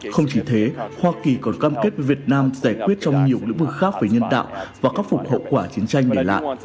không chỉ thế hoa kỳ còn cam kết việt nam giải quyết trong nhiều lĩnh vực khác về nhân đạo và khắc phục hậu quả chiến tranh để lại